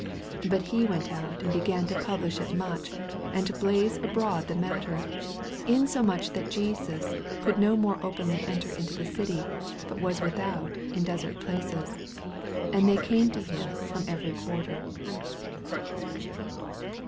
45 But he went out and began to publish it much, and to blaze abroad the matter, insomuch that Jesus could no more openly enter into the city, but was without in desert places : and they came to him from every quarter.